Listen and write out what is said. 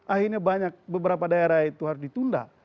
akhirnya banyak beberapa daerah itu harus ditunda